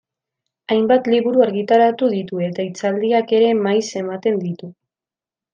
Hainbat liburu argitaratu ditu, eta hitzaldiak ere maiz ematen ditu.